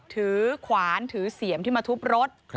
ขวานถือเสียมที่มาทุบรถ